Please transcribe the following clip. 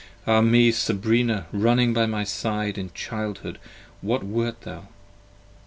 Ah me, Sabrina, running by my side: In childhood what wert thou?